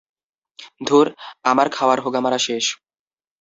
ধুর, আমার খাওয়ার হোগা মারা শেষ।